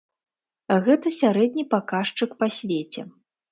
Гэта сярэдні паказчык па свеце.